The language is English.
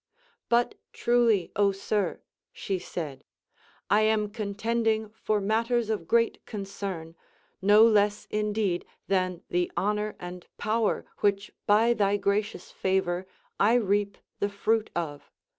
But truly, Ο sir, she said, I am contending for matters of great concern, no less indeed than the honor and power which by thy gracious favor 1 reap the fruit of.